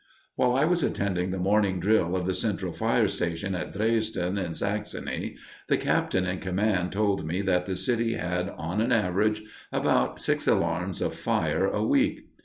While I was attending the morning drill of the Central Fire Station at Dresden, in Saxony, the captain in command told me that the city had, on an average, about six alarms of fire a week.